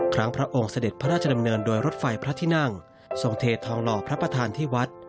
พระองค์เสด็จพระราชดำเนินโดยรถไฟพระที่นั่งทรงเททองหล่อพระประธานที่วัด